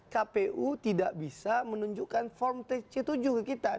kpu tidak bisa menunjukkan form tc tujuh ke kita